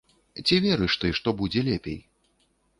Ці верыш ты, што будзе лепей?